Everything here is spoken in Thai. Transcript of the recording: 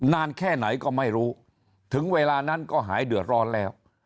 นานแค่ไหนก็ไม่รู้ถึงเวลานั้นก็หายเดือดร้อนแล้ว